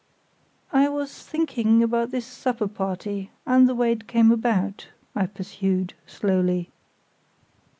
"I was thinking about this supper party, and the way it came about," I pursued, slowly.